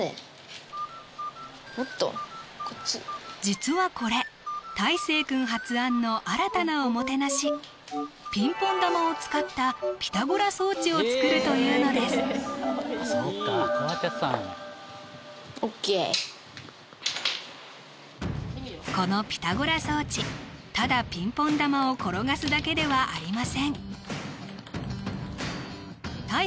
もっとこっちに実はこれたいせい君発案の新たなおもてなしピンポン球を使ったピタゴラ装置を作るというのですこのピタゴラ装置ただピンポン球を転がすだけではありませんたい